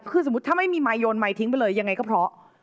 คือสมมุติถ้าไม่มีไมคโยนไมค์ทิ้งไปเลยยังไงก็เพราะ